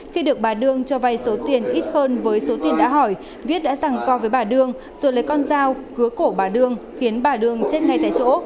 khi được bà đương cho vay số tiền ít hơn với số tiền đã hỏi viết đã rằng co với bà đương rồi lấy con dao cứa cổ bà đương khiến bà đương chết ngay tại chỗ